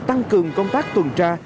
tăng cường công tác tuần tra